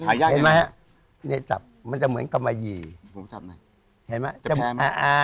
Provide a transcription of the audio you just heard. เห็นไหมฮะเนี่ยจับมันจะเหมือนกำมะยี่ผมจับหน่อยเห็นไหมจมูกอ่าอ่า